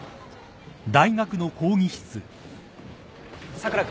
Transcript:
佐倉君。